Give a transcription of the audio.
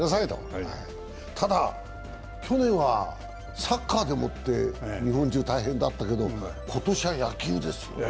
ただ、去年はサッカーでもって日本中大変だったけど、今年は野球ですね。